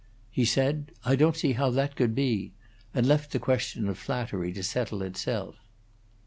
He said, "I don't see how that could be," and left the question of flattery to settle itself.